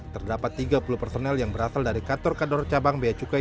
terdapat tiga puluh personel yang berasal dari kantor kantor cabang bia cukai